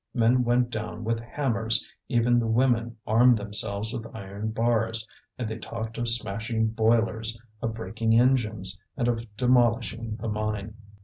Men went down with hammers, even the women armed themselves with iron bars; and they talked of smashing boilers, of breaking engines, and of demolishing the mine.